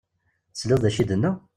Tesliḍ d acu i d-tenna?